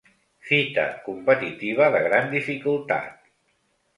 Fita competitiva de gran dificultat.